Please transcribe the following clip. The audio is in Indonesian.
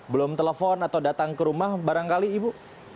belum telepon atau datang ke rumah barangkali ibu